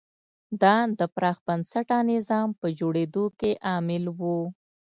دا د پراخ بنسټه نظام په جوړېدو کې عامل و.